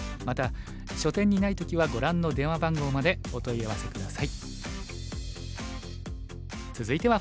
また書店にない時はご覧の電話番号までお問い合わせ下さい。